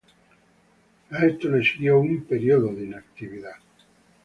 A esto le siguió un periodo de inactividad.